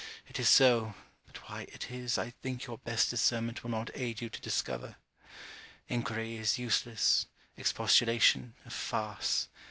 It is so, but why it is, I think your best discernment will not aid you to discover. Enquiry is useless, expostulation, a farce.